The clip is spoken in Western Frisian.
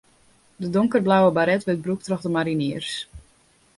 De donkerblauwe baret wurdt brûkt troch de mariniers.